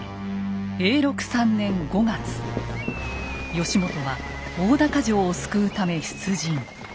義元は大高城を救うため出陣。